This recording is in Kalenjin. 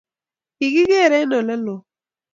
Kigigeer eng oleloo